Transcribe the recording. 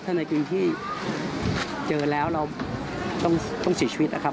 ถ้าในกริงที่เจอแล้วเราต้องสิทธิ์ชีวิตครับ